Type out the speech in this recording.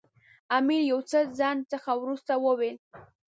امیر له یو څه ځنډ څخه وروسته وویل.